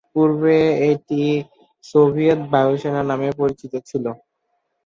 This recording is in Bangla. পূর্বে এটি সোভিয়েত বায়ু সেনা নামে পরিচিত ছিল।